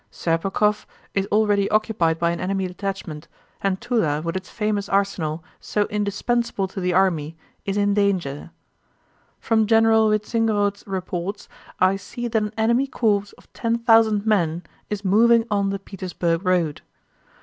Sérpukhov is already occupied by an enemy detachment and Túla with its famous arsenal, so indispensable to the army, is in danger. From General Wintzingerode's reports, I see that an enemy corps of ten thousand men is moving on the Petersburg road.